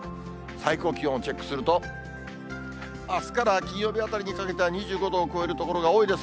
最高気温をチェックすると、あすから金曜日あたりにかけては、２５度を超える所が多いです。